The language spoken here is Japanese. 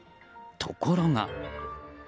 ところが。